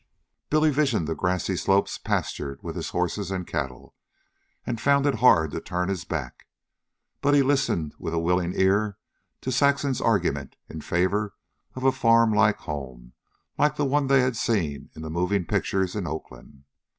Billy visioned the grassy slopes pastured with his horses and cattle, and found it hard to turn his back; but he listened with a willing ear to Saxon's argument in favor of a farm home like the one they had seen in the moving pictures in Oakland.